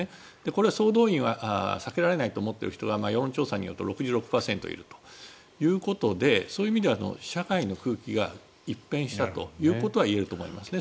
これは総動員は避けられないと思っている人が世論調査によると６６％いるということでそういう意味では社会の空気が一変したということは言えると思いますね。